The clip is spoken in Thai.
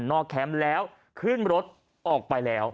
แคมป์แล้วขึ้นรถออกไปแล้ว